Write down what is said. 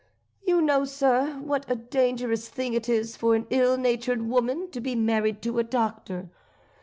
You know, sir, what a dangerous thing it is for an ill natured woman to be married to a doctor.